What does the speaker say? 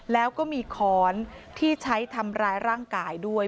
แล้วก็มีค้อนที่ใช้ทำร้ายร่างกายด้วย